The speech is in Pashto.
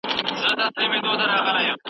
مساپري د هر پښتون په نصیب کې ده.